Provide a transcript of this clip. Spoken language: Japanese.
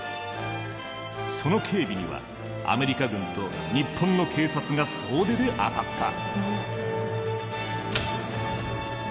その警備にはアメリカ軍と日本の警察が総出で当たった。